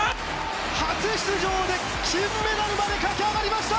初出場で金メダルまで駆け上がりました！